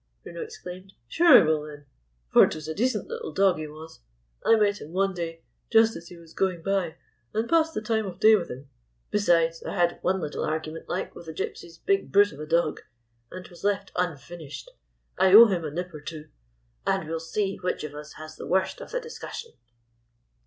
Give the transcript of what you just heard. Bruno exclaimed. "Sure I will, then ; for 't was a decent little dog he was. I met him one day just as he was going by, and passed the time of day with him. Besides, I had one little argument, like, with the Gypsies' big brute of a dog, and 't was left unfinished. I owe him a nip or two, and we 'll see which of us has the worst of the discussion!"